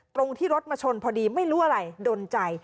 ตรงที่รถมาชนพอดีไม่รู้อะไรดนใจ